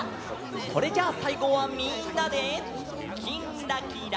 それじゃあさいごはみんなで「きんらきら」。